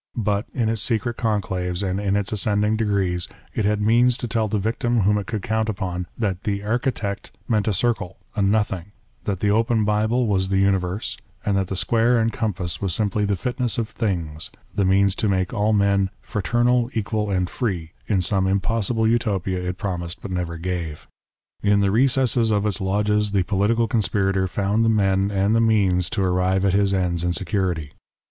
But, in its secret conclaves and in its ascending degrees, it had means to tell the victim whom it could count upon, that the " Architect " meant a circle, a nothing ;^ that the open Bible was the universe ; and that the square and compass was simply the fitness of things — the means to make all men " fraternal, equal and free " in some impossible utopia it promised but never gave. In the recesses of its lodges, the political conspirator found the men and the means to arrive at his ends in security.